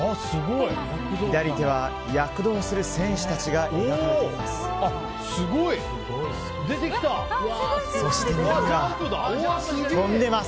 左は躍動する選手たちが描かれています。